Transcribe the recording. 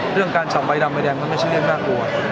เรื่องการส่องใบดำใบแดงมันไม่ใช่เรื่องน่ากลัว